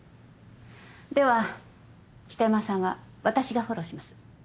では北山さんは私がフォローします。